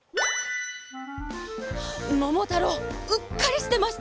ももたろううっかりしてました。